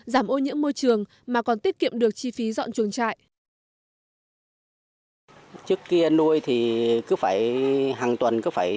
giảm ô nhiễm môi trường mà còn tiết kiệm được chi phí dọn chuồng trại